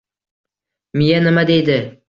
«Miya nima deydi?»